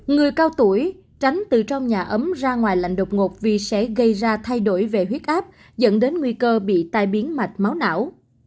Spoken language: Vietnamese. người cao tuổi tránh từ trong nhà ấm ra ngoài lạnh đột ngột vì sẽ gây ra thay đổi về huyết áp dẫn đến nguy cơ bị tai biến mạch máu não